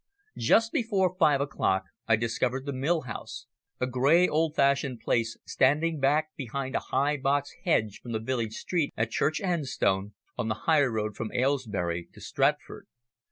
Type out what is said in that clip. Just before five o'clock I discovered the Mill House, a grey, old fashioned place standing back behind a high box hedge from the village street at Church Enstone, on the highroad from Aylesbury to Stratford.